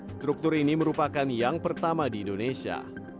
struktur ini merupakan yang pertama di indonesia